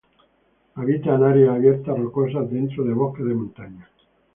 Habita en áreas abiertas rocosas dentro de bosque de montaña.